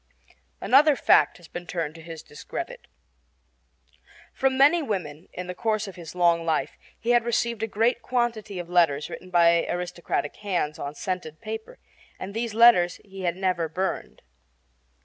Another fact has been turned to his discredit. From many women, in the course of his long life, he had received a great quantity of letters written by aristocratic hands on scented paper, and these letters he had never burned.